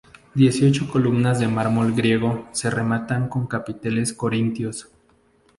Dieciocho columnas de mármol griego se rematan con capiteles corintios.